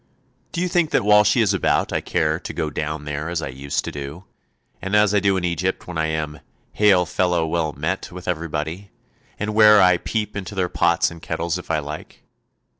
Do you think that while she is about I care to go down there as I used to do, and as I do in Egypt when I am ' hail fellow well met ' with everybody, and where I peep into their pots and kettles if I like?